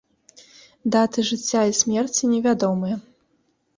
Даты жыцця і смерці не вядомыя.